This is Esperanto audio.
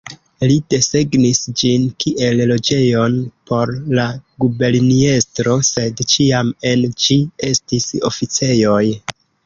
Li desegnis ĝin kiel loĝejon por la guberniestro, sed ĉiam en ĝi estis oficejoj.